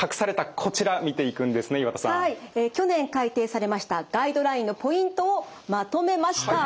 去年改訂されましたガイドラインのポイントをまとめました。